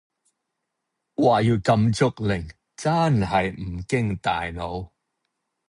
話要禁足令真係唔經大腦